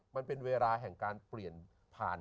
มันเป็นเวลาแห่งการเปลี่ยนผ่าน